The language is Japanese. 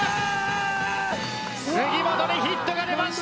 杉本にヒットが出ました！